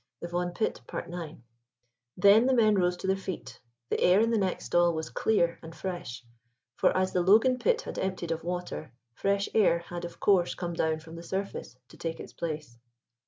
THE VAUGHAN PIT.—IX. Then the men rose to their feet. The air in the next stall was clear and fresh, for as the Logan pit had emptied of water, fresh air had of course come down from the surface to take its place.